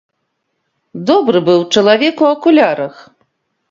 Добры быў чалавек у акулярах.